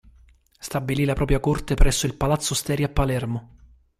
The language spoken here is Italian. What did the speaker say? Stabilì la propria corte presso il Palazzo Steri a Palermo.